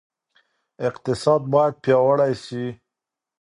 اقتصاد باید پیاوړی سي.